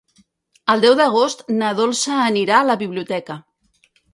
El deu d'agost na Dolça anirà a la biblioteca.